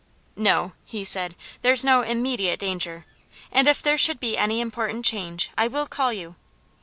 "No," he said, "there's no immediate danger, and if there should be any important change I will call you."